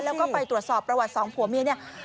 แล้วก็ไปตรวจสอบประวัติสองผัวเมียเนี่ย